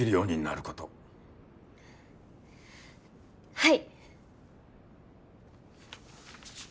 はい。